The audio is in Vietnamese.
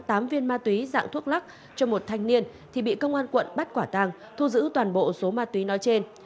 tám viên ma túy dạng thuốc lắc cho một thanh niên thì bị công an quận bắt quả tàng thu giữ toàn bộ số ma túy nói trên